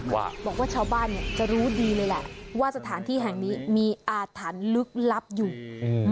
ว่าบอกว่าชาวบ้านเนี้ยจะรู้ดีเลยแหละว่าสถานที่แห่งนี้มีอาถรรพ์ลึกลับอยู่อืม